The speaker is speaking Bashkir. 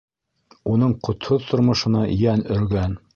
Уның ҡотһоҙ тормошона йән өргән.